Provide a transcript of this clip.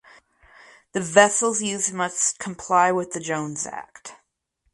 The vessels used must comply with the Jones Act.